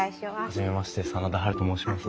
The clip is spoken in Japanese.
初めまして真田ハルと申します。